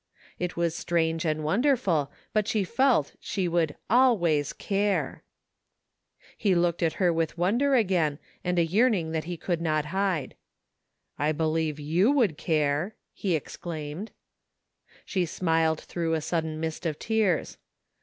It was strange and wonderf td, ibut she felt she would always care! He looked at her with wonder again and a yearning that he could not hide. 74 ii tt THE FINDING OF JASPER HOLT " I believe you would care !" he exclaimed. She smiled throiigh a sudden mist of tears.